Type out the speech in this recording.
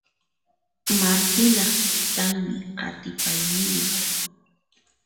Martinaq taytanmi atipayniyuq.